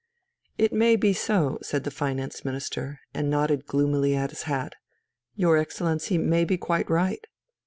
"It may be so," said the Finance Minister, and nodded gloomily at his hat. "Your Excellency may be quite right.